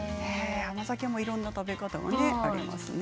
いろんな食べ方がありますね。